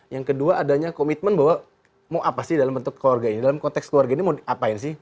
yang kedua adanya komitmen bahwa mau apa sih dalam bentuk keluarga ini dalam konteks keluarga ini mau ngapain sih